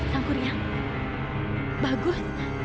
sangku ria bagus